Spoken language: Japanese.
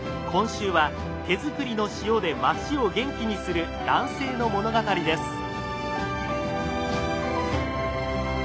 今週は手作りの塩で町を元気にする男性の物語です。